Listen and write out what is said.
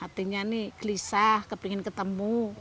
artinya gelisah ingin ketemu